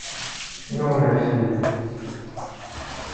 Nuɣen ɣef tlelli.